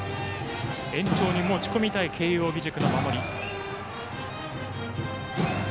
延長に持ち込みたい慶応義塾の守り。